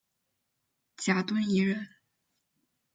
贾敦颐人。